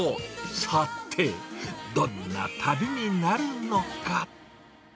さて、どんな旅になるのか。